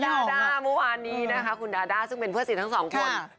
ดาด้าเมื่อวานนี้นะคะคุณดาด้าซึ่งเป็นเพื่อนสีทั้งสองคน